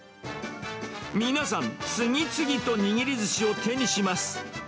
皆さん、次々と握りずしを手にします。